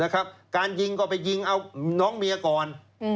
การยิงก็ไปยิงเอาน้องเมียก่อน